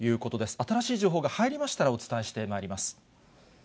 新しい情報が入りましたら、お伝えしてまいります。